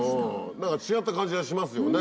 何か違った感じがしますよね